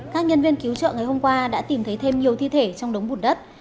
các nhân viên cứu trợ ngày hôm qua đã tìm thấy thêm nhiều thi thể trong đống bùn đất